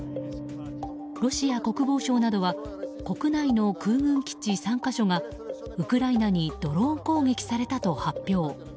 ロシア国防省などは国内の空軍基地３か所がウクライナにドローン攻撃されたと発表。